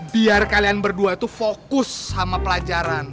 biar kalian berdua tuh fokus sama pelajaran